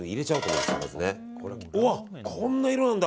うわ、こんな色なんだ。